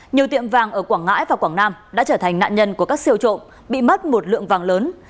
nhiều tiệm vàng ở quảng ngãi và quảng nam đã trở thành nạn nhân của các siêu trộm bị mất một lượng vàng lớn